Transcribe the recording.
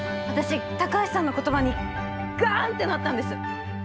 私高橋さんの言葉にガンってなったんです。